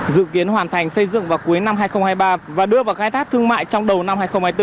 dự kiến hoàn thành xây dựng vào cuối năm hai nghìn hai mươi ba và đưa vào khai thác thương mại trong đầu năm hai nghìn hai mươi bốn